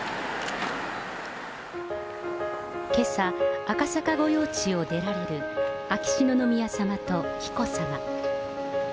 けさ、赤坂御用地を出られる秋篠宮さまと紀子さま。